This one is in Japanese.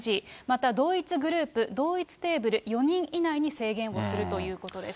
また同一グループ、同一テーブル４人以内に制限をするということ